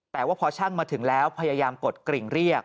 แต่ว่าพอช่างมาถึงแล้วพยายามกดกริ่งเรียก